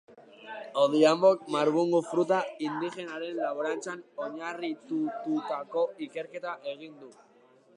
Odhiambok marbungu fruta indigenaren laborantzan oinarritututako ikerketa egin du.